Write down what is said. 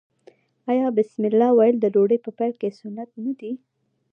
آیا بسم الله ویل د ډوډۍ په پیل کې سنت نه دي؟